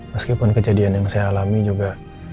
meskipun kejadian yang saya alami juga